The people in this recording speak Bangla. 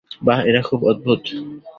বাহ, এটা খুব অদ্ভুত।